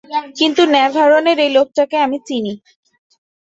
কিন্তু ন্যাভারোনের এই লোকটাকে আমি চিনি!